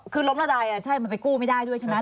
คือล้มระดายใช่มันไปกู้ไม่ได้ด้วยใช่ไหม